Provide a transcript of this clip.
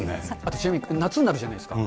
ちなみに夏になるじゃないですか。